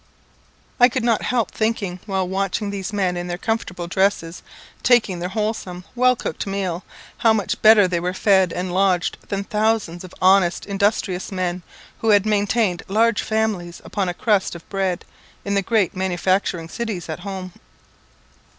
I could not help thinking, while watching these men in their comfortable dresses, taking their wholesome, well cooked meal, how much better they were fed and lodged than thousands of honest industrious men, who had to maintain large families upon a crust of bread, in the great manufacturing cities at home.